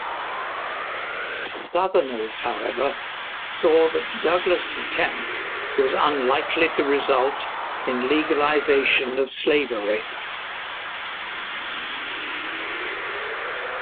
Southerners, however, saw that Douglas' attempt was unlikely to result in legalization of slavery.